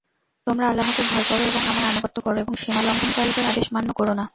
তোমরা আল্লাহকে ভয় কর এবং আমার আনুগত্য কর এবং সীমালংঘনকারীদের আদেশ মান্য করো না।